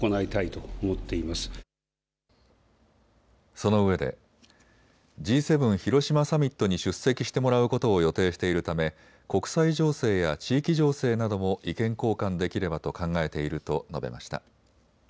そのうえでＧ７広島サミットに出席してもらうことを予定しているため国際情勢や地域情勢なども意見交換できればと考えていると述べました。